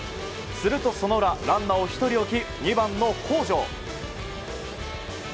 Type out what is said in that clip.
すると、その裏ランナーを１人置き２番の北條。